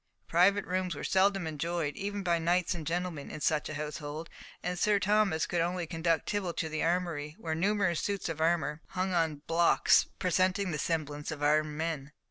Private rooms were seldom enjoyed, even by knights and gentlemen, in such a household, and Sir Thomas could only conduct Tibble to the armoury, where numerous suits of armour hung on blocks, presenting the semblance of armed men.